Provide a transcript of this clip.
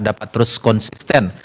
dapat terus konsisten